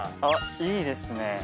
あっいいですね